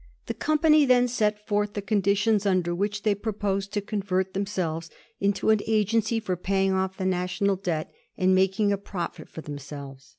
The company then set forth the conditions under which they proposed to convert themselves into an agency for paying off the national debt, and making a profit for themselves.